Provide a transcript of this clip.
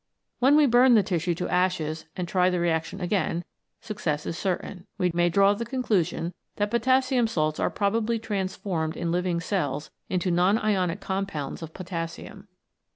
When we burn the tissue to ashes and try the reaction again, success is certain. We may draw the conclusion that potassium salts are prob ably transformed in living cells into non ionic compounds of potassium.